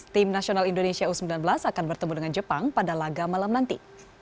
tim nasional indonesia u sembilan belas akan bertemu dengan jepang pada laga malam nanti